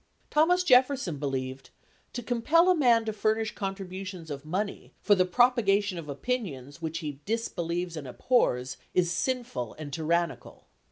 Thomas Jefferson believed "to compel a man to furnish contributions of money for the propagation of opinions which he dis believes and abhors, is sinful and tyrannical."